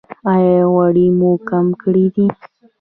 ایا غوړي مو کم کړي دي؟